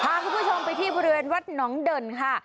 พาคุณผู้ชมไปที่บริเวณวัดหนองเด่นค่ะ